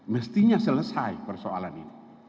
mestinya selesai persoalan ini